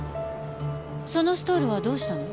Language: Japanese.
そのストールはどうしたの？